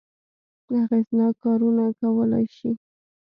اغېزناک کارونه کولای شي.